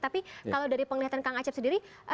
tapi kalau dari penglihatan kang acep sendiri